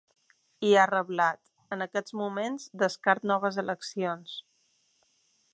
I ha reblat: En aquests moments descarto noves eleccions.